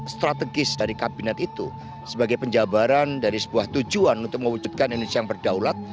strategis dari kabinet itu sebagai penjabaran dari sebuah tujuan untuk mewujudkan indonesia yang berdaulat